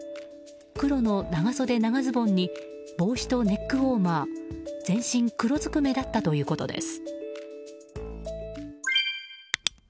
黒の長袖、長ズボンに帽子とネックウォーマー全身黒ずくめだったということです。